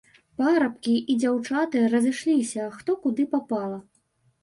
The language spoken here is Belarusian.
Парабкі і дзяўчаты разышліся, хто куды папала.